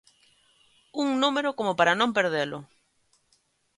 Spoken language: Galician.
Un número como para non perdelo!